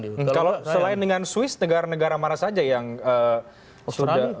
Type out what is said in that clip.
kalau selain dengan swiss negara negara mana saja yang sudah